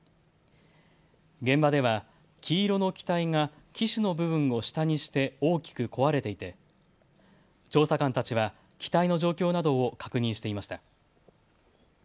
現場では黄色の機体が機首の部分を下にして大きく壊れていて調査官たちは機体の状況などを確認していました。